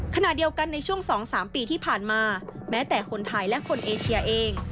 ขณะเดียวกันในช่วง๒๓ปีที่ผ่านมาแม้แต่คนไทยและคนเอเชียเอง